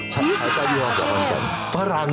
ใช้ขายต้อนรายการถ่ายพราง